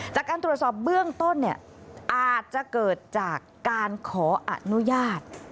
จากการตรวจสอบเบื้องต้นเนี่ยอาจจะเกิดจากการขออนุญาต